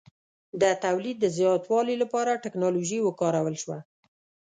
د تولید د زیاتوالي لپاره ټکنالوژي وکارول شوه.